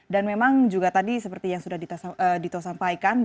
dan memang juga tadi seperti yang sudah dita sampaikan